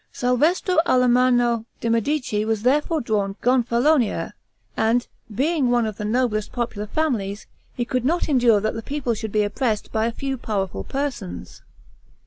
Salvestro Alammano de' Medici was therefore drawn Gonfalonier, and, being one of the noblest popular families, he could not endure that the people should be oppressed by a few powerful persons.